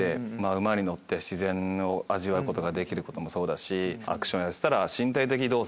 馬に乗って自然を味わうことができることもそうだしアクションやってたら身体的動作。